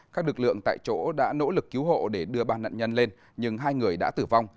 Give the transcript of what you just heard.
các lực lượng tại chỗ đã nỗ lực cứu hộ để đưa ba nạn nhân lên nhưng hai người đã tử vong